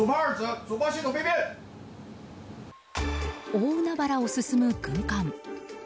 大海原を進む軍艦。